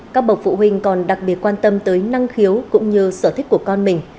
các bậc phụ huynh còn đặc biệt quan tâm tới năng khiếu cũng như sở thích của con mình